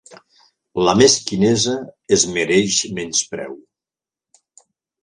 La mesquinesa es mereix menyspreu.